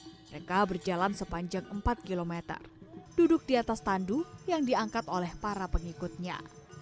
mereka berjalan sepanjang empat km duduk di atas tandu yang diangkat oleh para pengikutnya